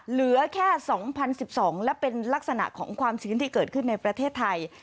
เหลือแค่๒๐๑๒และเป็นลักษณะของความชื้นที่เกิดขึ้นในประเทศไทย